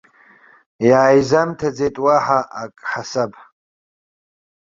Иааизамҭаӡеит уаҳа ак ҳасаб.